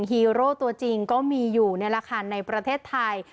ฮีโร่ตัวจริงก็มีอยู่นี่แหละค่ะในประเทศไทย